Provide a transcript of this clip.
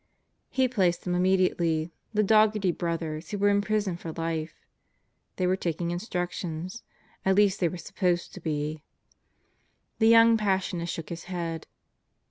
He placed them immediately the Daugherty brothers who were in prison for life. They were taking instructions at least they were supposed to be. The young Passionist shook his head.